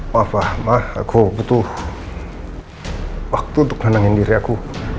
ma ma aku butuh waktu untuk nganangin diri aku